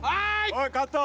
おいカット！